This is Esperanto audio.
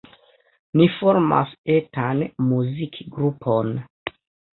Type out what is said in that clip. Ni formas etan muzikgrupon.